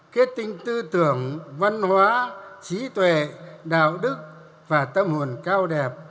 kết tinh tư tưởng văn hóa trí tuệ đạo đức và tâm hồn cao đẹp